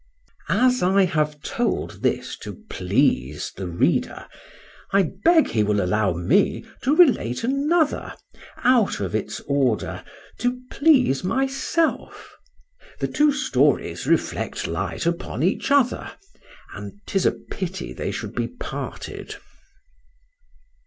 As I have told this to please the reader, I beg he will allow me to relate another, out of its order, to please myself:—the two stories reflect light upon each other,—and 'tis a pity they should be parted.